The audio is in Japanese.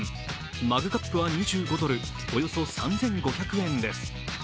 マグカップは２５ドル、およそ３５００円です。